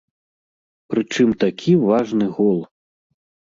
Прычым такі важны гол!